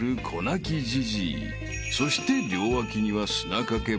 ［そして両脇には］